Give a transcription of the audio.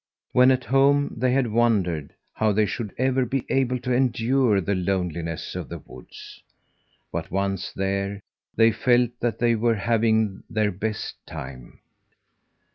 When at home they had wondered how they should ever be able to endure the loneliness of the woods; but once there, they felt that they were having their best time.